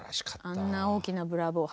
あんな大きな「ブラボー」